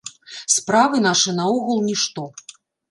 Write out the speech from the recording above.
Справы нашы наогул нішто.